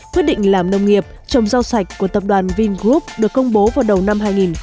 quyết định làm nông nghiệp trồng rau sạch của tập đoàn vingroup được công bố vào đầu năm hai nghìn một mươi